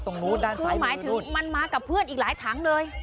เข้าไปตรงนู้นด้านซ้ายมันมากับเพื่อนอีกหลายถังเลย